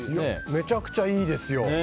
めちゃくちゃいいですよ。